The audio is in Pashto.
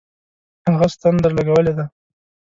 هغه ستن درلگولې ده.